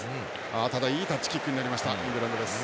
いいタッチキックになりましたイングランドです。